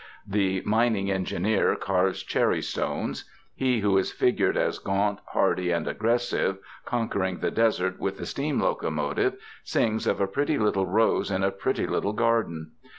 The mining engineer carves cherry stones. He who is figured as gaunt, hardy and aggressive, conquering the desert with the steam locomotive, sings of a pretty little rose in a pretty little garden.